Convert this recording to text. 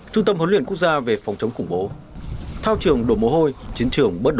trung tâm huấn luyện quốc gia về phòng chống khủng bố thao trường đổ mồ hôi chiến trường bớt đổ